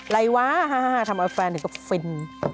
อะไรวะทำเอาแฟนก็ฟิน